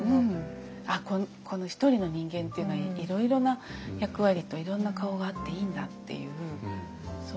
あっこのひとりの人間っていうのはいろいろな役割といろんな顔があっていいんだっていうそういう。